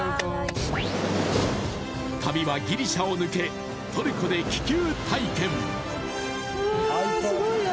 旅はギリシャを抜けトルコで気球体験うわすごいよ